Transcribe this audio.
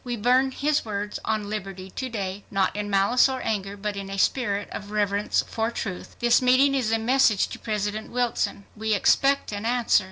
We burn his words on liberty to day, not in malice or anger, but in a spirit of reverence for truth. "This meeting is a message to President Wilson. We expect an answer.